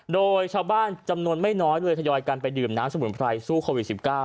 โดยชาวบ้านจำนวนไม่น้อยเลยทยอยกันไปดื่มน้ำสมุนไพรสู้โควิด๑๙